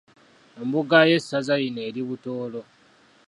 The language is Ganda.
Embuga y’Essaza lino eri Butoolo